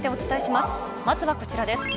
まずはこちらです。